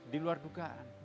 di luar dugaan